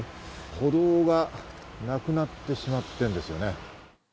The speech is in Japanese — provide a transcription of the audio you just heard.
歩道がなくなってしまっているんですね。